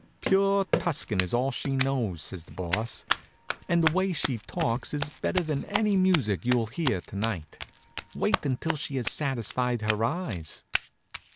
"Pure Tuscan is all she knows," says the Boss, "and the way she talks it is better than any music you'll hear to night. Wait until she has satisfied her eyes."